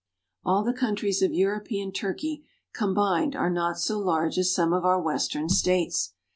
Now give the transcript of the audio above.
All the countries of European Turkey combined are not so large as some of our Western states.